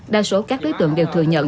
đa số các đối tượng đều thừa nhận